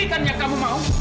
ini kan yang kamu mau